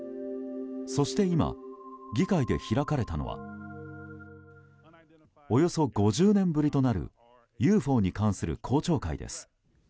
そして今、議会で開かれたのはおよそ５０年ぶりとなるＵＦＯに関する公聴会です。